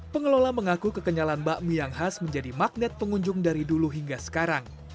pengelola mengaku kekenyalan bakmi yang khas menjadi magnet pengunjung dari dulu hingga sekarang